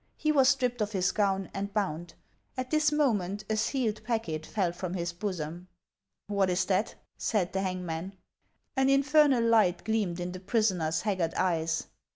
He was stripped of his gown, and bound ; at this moment a sealed packet fell from his bosom. " What is that ?" said the hangman. An infernal light gleamed in the prisoner's haggard eyes.